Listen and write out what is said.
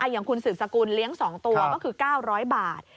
อย่างคุณสืบสกุลเลี้ยง๒ตัวก็คือ๙๐๐บาท